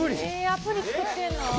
アプリ作ってるの？